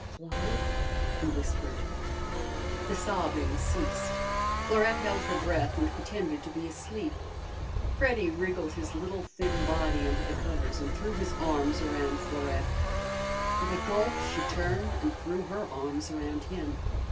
"Flo," he whispered. The sobbing ceased. Florette held her breath and pretended to be asleep. Freddy wriggled his little thin body under the covers and threw his arms around Florette. With a gulp, she turned and threw her arms around him.